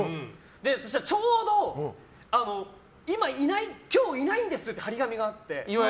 そしたらちょうど今日いないんですって貼り紙があって。